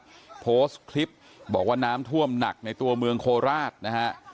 ก็โพสต์คลิปบอกว่าน้ำท่วมหนักในตัวเมืองโคราชนะฮะ